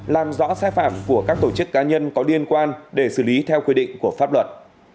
làm rõ sai phạm của các tổ chức cá nhân có liên quan để xử lý theo quy định của pháp luật